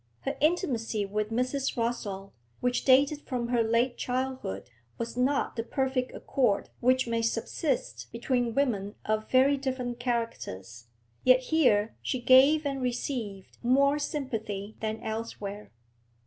Her intimacy with Mrs. Rossall, which dated from her late childhood, was not the perfect accord which may subsist between women of very different characters, yet here she gave and received more sympathy than elsewhere.